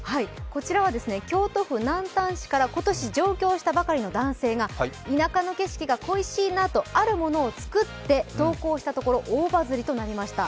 こちらは京都府南丹市から今年上京したばかりの男性が田舎の景色が恋しいなとあるものを作って投稿したところ大バズリとなりました。